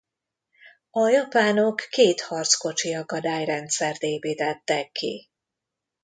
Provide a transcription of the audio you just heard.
A japánok két harckocsiakadály-rendszert építettek ki.